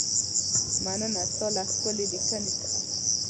مننه ستا له ښکلې لیکنې څخه.